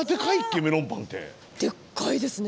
でっかいですね。